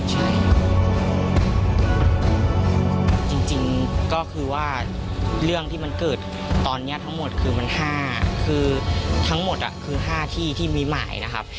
ใช่จริงก็คือว่าเรื่องที่มันเกิดตอนนี้ทั้งหมดคือมัน๕คือทั้งหมดคือ๕ที่ที่มีหมายนะครับ